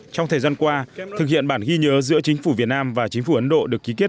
trong thời gian qua thực hiện bản ghi nhớ giữa chính phủ việt nam và chính phủ ấn độ được ký kết